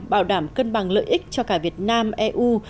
bảo đảm cân bằng lợi ích cho cả việt nam eu